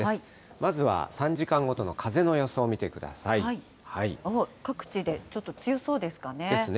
まずは３時間ごとの風の予想を見各地でちょっと強そうですかですね。